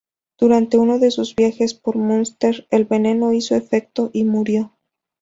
Durante uno de sus viajes por Munster, el veneno hizo efecto y murió.